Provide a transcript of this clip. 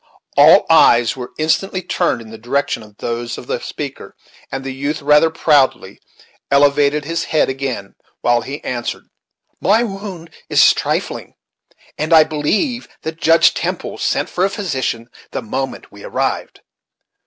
All eyes were instantly turned in the direction of those of the speaker, and the youth rather proudly elevated his head again, while he answered: "My wound is trifling, and I believe that Judge Temple sent for a physician the moment we arrived."